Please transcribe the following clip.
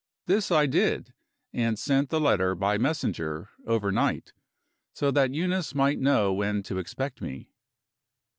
This I did, and sent the letter by messenger, overnight, so that Eunice might know when to expect me.